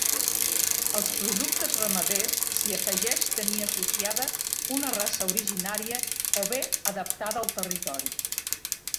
Als productes ramaders s'hi afegeix tenir associada una raça originària o bé adaptada al territori.